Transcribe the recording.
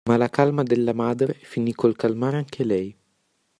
Ma la calma della madre finì col calmare anche lei.